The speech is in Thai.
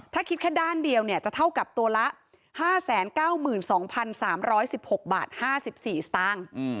ถ้าคิดแค่ด้านเดียวจะเท่ากับตัวละ๕๙๒๓๑๖บาท๕๔สตางค์